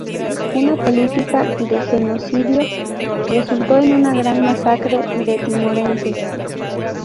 Una política de genocidio resultó en una gran masacre de timorenses.